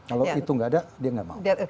kalau itu nggak ada dia nggak mau